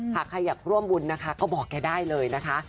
หากใครอยากร่วมบุญนะคะก็บอกแกได้เลยนะคะ